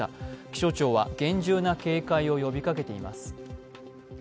気象庁は厳重な警戒を呼びかけています。